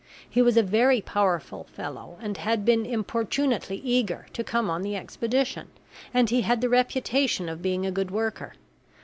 He was a very powerful fellow and had been importunately eager to come on the expedition; and he had the reputation of being a good worker.